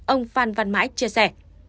ông phan văn mãi chia sẻ